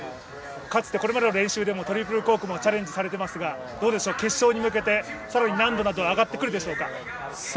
かつてこれまでの練習でもトリプルコークチャレンジされていますがどうでしょう、決勝に向けて更に難度など上がってくるでしょうか。